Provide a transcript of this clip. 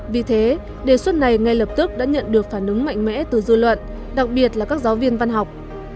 vì thế đề xuất này ngay lập tức đã nhận được phản ứng mạnh mẽ từ dư luận đặc biệt là các giáo viên văn học